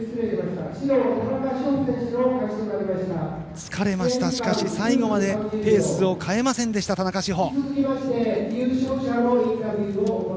疲れました、しかし最後までペースを変えませんでした田中志歩。